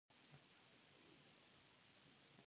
تواب تر ناوخته مزل کړی و.